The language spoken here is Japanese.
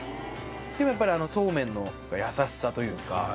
でもやっぱりそうめんのやさしさというか。